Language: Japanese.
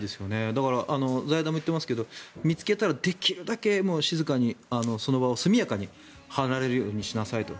だから財団も言っていますが見つけたらできるだけ静かにその場を速やかに離れるようにしなさいと。